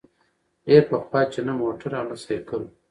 ډېر پخوا چي نه موټر او نه سایکل وو